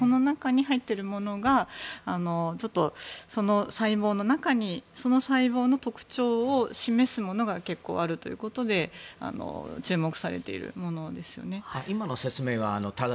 その中に入っているものがその細胞の中に細胞の特徴を示すものが結構あるということで注目されているものですね。